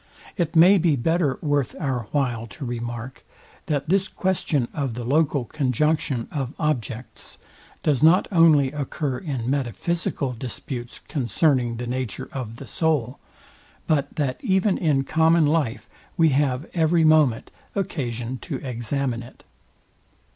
It may be better worth our while to remark, that this question of the local conjunction of objects does not only occur in metaphysical disputes concerning the nature of the soul, but that even in common life we have every moment occasion to examine it.